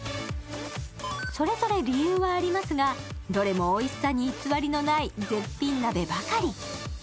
それぞれ理由はありますが、どれもおいしさに偽りのない絶品鍋ばかり。